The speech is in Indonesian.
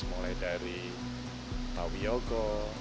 mulai dari pak wiogo